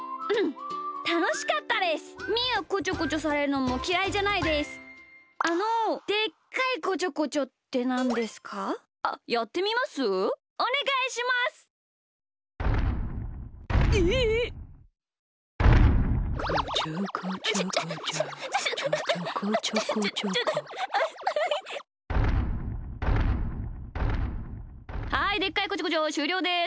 はいでっかいこちょこちょしゅうりょうです。